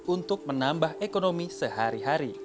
untuk menambah ekonomi sehari hari